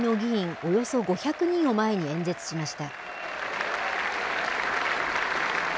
およそ５００人を前に演説しました。